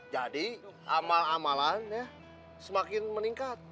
jadi amal amalan ya semakin meningkat